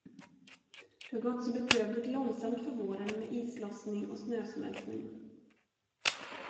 Det har gått så bedrövligt långsamt för våren med islossning och snösmältning.